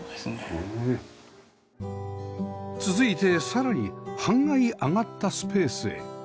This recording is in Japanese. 続いてさらに半階上がったスペースへ